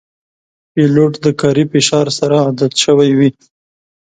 پیلوټ د کاري فشار سره عادت شوی وي.